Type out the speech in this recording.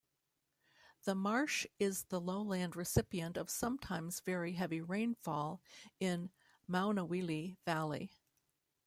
The marsh is the lowland recipient of sometimes very heavy rainfall in Maunawili Valley.